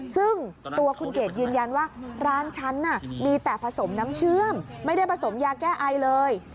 ซึ่งตัวคุณเกดยืนยันว่าร้านฉันน่ะมีแต่ผสมน้ำเชื่อมไม่ได้ผสมยาแก้ไอเลย